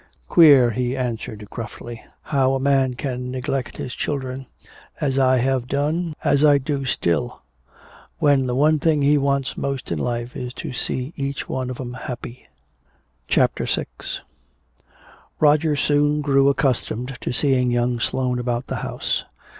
"Queer," he answered gruffly, "how a man can neglect his children as I have done, as I do still when the one thing he wants most in life is to see each one of 'em happy." CHAPTER VI Roger soon grew accustomed to seeing young Sloane about the house.